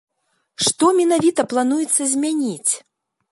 Што менавіта плануецца змяніць?